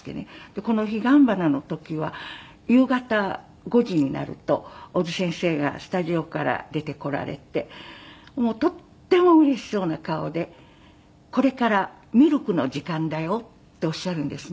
この『彼岸花』の時は夕方５時になると小津先生がスタジオから出てこられてとってもうれしそうな顔で「これからミルクの時間だよ」っておっしゃるんですね。